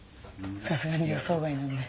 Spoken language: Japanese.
さすがに予想外なんで。